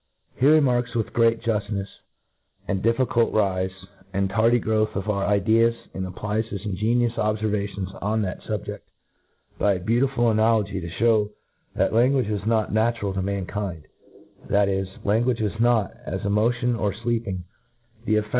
He remarks with great juftnefs the difficult rife and tardy growth of our ideas, and applies his ingenious obfervations on that fubjea, by a beautiful analogy, to fhow that language is not natural to mankind ; that is^ language is not, as motion or fleeping, the effca P ft fi F A C E.